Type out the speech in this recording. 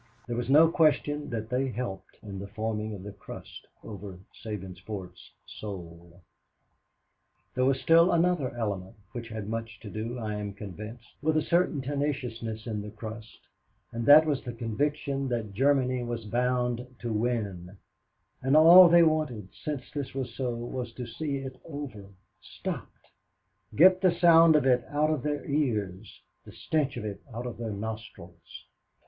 There was no question that they helped in the forming of the crust over Sabinsport's soul. There was still another element, which had much to do, I am convinced, with a certain tenaciousness in the crust, and that was the conviction that Germany was bound to win; and all they wanted, since this was so, was to see it over stopped get the sound of it out of their ears, the stench of it out of their nostrils.